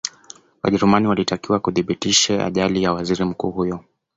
wajerumani walitakiwa kuthibitishe ajali ya waziri mkuu huyo